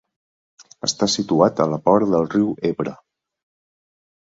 Està situat a la vora del riu Ebre.